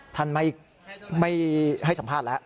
ท่านไม่ให้สัมภาษณ์แล้ว